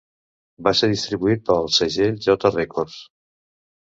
Va ser distribuït pel segell J Records.